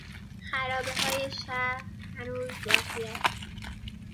خرابههای شهر هنوز باقی است.